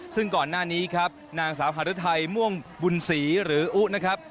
ซึ่งก่อนหน้านี้ครับนางสาวฮารุทัยม่วงบุญศรีหรืออุ๊นะครับ